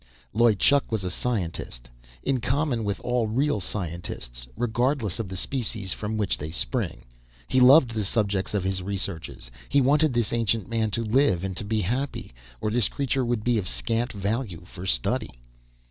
Loy Chuk was a scientist. In common with all real scientists, regardless of the species from which they spring, he loved the subjects of his researches. He wanted this ancient man to live and to be happy. Or this creature would be of scant value for study.